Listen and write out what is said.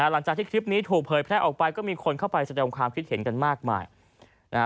หลังจากที่คลิปนี้ถูกเผยแพร่ออกไปก็มีคนเข้าไปแสดงความคิดเห็นกันมากมายนะฮะ